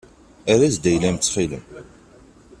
Err-as-d ayla-as ttxil-m.